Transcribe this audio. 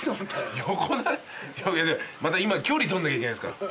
また今距離取んなきゃいけないですから。